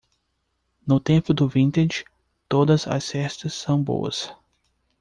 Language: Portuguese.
No tempo do vintage, todas as cestas são boas.